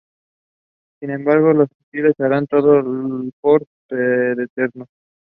Sin embargo, los títeres harán todo por detenerlos.